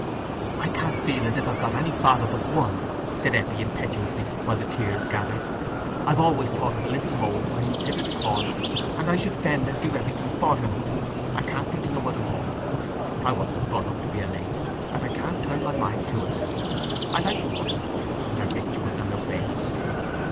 "I can't feel as I've got any father but one," said Eppie, impetuously, while the tears gathered. "I've always thought of a little home where he'd sit i' the corner, and I should fend and do everything for him: I can't think o' no other home. I wasn't brought up to be a lady, and I can't turn my mind to it. I like the working folks, and their victuals, and their ways.